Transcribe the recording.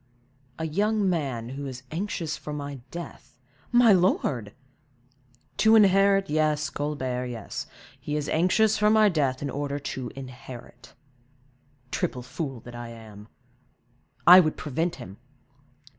"A young man who is anxious for my death—" "My lord!" "To inherit, yes, Colbert, yes; he is anxious for my death, in order to inherit. Triple fool that I am! I would prevent him!"